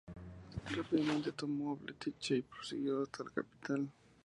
Rápidamente tomó Belchite y prosiguió hasta la capital.